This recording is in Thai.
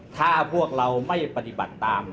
ถ้าพวกเราไม่ปฏิบัติตาม